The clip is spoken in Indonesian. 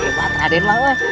tiba tiba raden mau